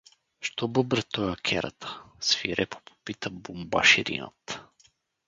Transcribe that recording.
— Що бъбре тоя керата? — свирепо попита бунбаширинът.